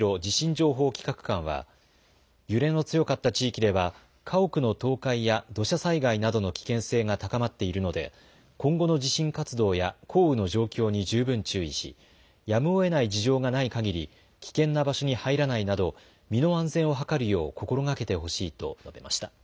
情報企画官は揺れの強かった地域では家屋の倒壊や土砂災害などの危険性が高まっているので今後の地震活動や降雨の状況に十分注意しやむをえない事情がないかぎり危険な場所に入らないなど身の安全を図るよう心がけてほしいと述べました。